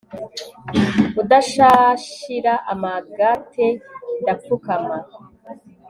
udashashira amagate ndapfukama